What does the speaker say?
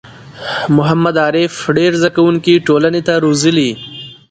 محمد عارف ډېر زده کوونکی ټولنې ته روزلي